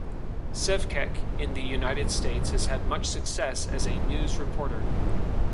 Sevcec in the United States has had much success as a news reporter.